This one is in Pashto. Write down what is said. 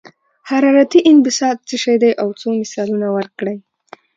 حرارتي انبساط څه شی دی او څو مثالونه ورکړئ.